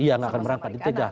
iya nggak akan berangkat di tegak